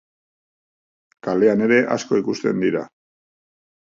Kalean ere asko ikusten dira.